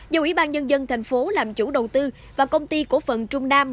do ủy ban nhân dân thành phố làm chủ đầu tư và công ty cổ phận trung nam